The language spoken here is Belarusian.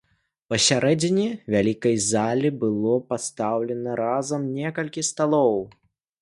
Пасярэдзіне вялікай залі было пастаўлена разам некалькі сталоў.